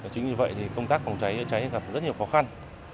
chính vì vậy công tác phòng cháy gặp rất nhiều khó khăn